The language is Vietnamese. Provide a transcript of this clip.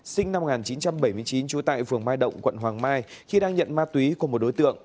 sinh năm một nghìn chín trăm bảy mươi chín trú tại phường mai động quận hoàng mai khi đang nhận ma túy của một đối tượng